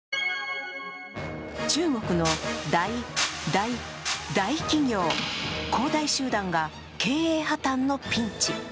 中国の大大大企業、恒大集団が経営破綻のピンチ。